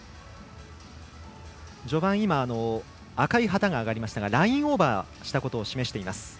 序盤、赤い旗が上がりましたがラインオーバーしたことを示しています。